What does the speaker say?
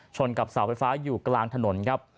กับเสาไฟฟ้าอยู่กลางถนนครับ